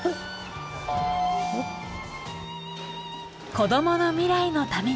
子どもの未来のために。